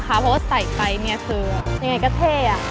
เพราะว่าใส่ไปเนี่ยคือยังไงก็เท่อะ